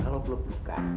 kalau perlu perlu kan